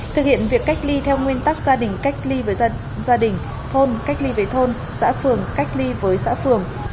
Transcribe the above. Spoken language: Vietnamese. thực hiện việc cách ly theo nguyên tắc gia đình cách ly với gia đình thôn cách ly về thôn xã phường cách ly với xã phường